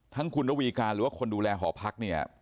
ทั้งคุณนวิการหรือคนดูแลหอพัก